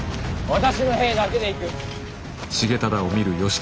私の兵だけで行く。